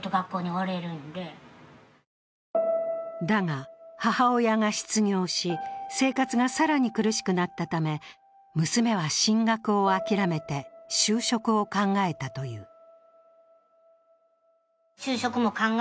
だが、母親が失業し、生活が更に苦しくなったため、娘は進学を諦めて就職を考えたという。